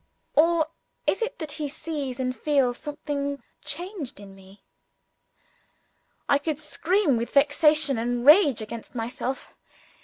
Or is it, that he sees and feels something changed in Me? I could scream with vexation and rage against myself.